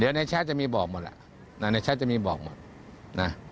เดี๋ยวในแชทจะมีบอกหมดล่ะในแชทจะมีบอกหมดนะ